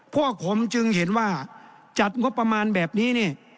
พวกผมจึงเห็นว่าจัดงบประมาณแบบนี้เนี่ย